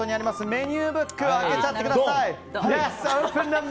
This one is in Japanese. メニューブック開けちゃってください！